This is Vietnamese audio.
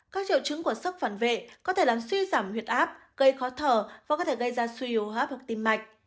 các triệu chứng của sốc phản vệ có thể làm suy giảm huyết áp gây khó thở và có thể gây ra suy yếu hấp hoặc tim mạch